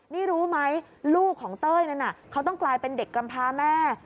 นี่รู้ไหมลูกของเต้ยนั้นเขาต้องกลายเป็นเด็กกำพาแม่